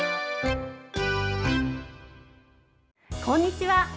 こんにちは。